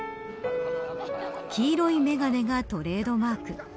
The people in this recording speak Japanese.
黄色い眼鏡がトレードマーク。